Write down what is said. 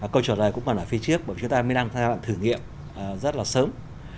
câu trả lời cũng còn ở phía trước bởi vì chúng ta đang thử nghiệm rất là sớm